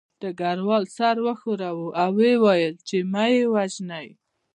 ډګروال سر وښوراوه او ویې ویل چې مه یې وژنئ